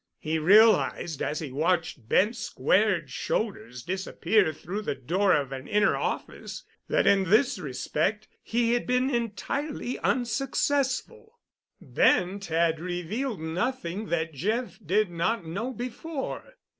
He realized, as he watched Bent's squared shoulders disappear through the door of an inner office, that in this respect he had been entirely unsuccessful. Bent had revealed nothing that Jeff did not know before.